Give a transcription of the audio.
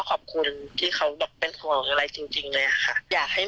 แล้วก็ขอบคุณมากเลยค่ะที่เขาแบบวนรถมาส่งถึงโรงพยาบาลแบบก่อนที่จะไปส่งผู้โดยสารคนอื่นอะไรอย่างเงี้ย